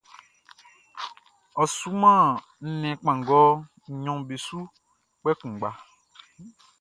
Ɔ suman nnɛn kpanngɔ nɲɔn be su kpɛ kunngba.